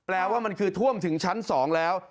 แปลว่ามันคือท่วมถึงชั้น๒แล้ว